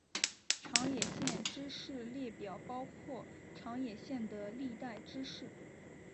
长野县知事列表包括长野县的历代知事。